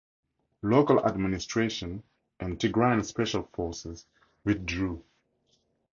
Local administration and Tigrayan Special Forces withdrew.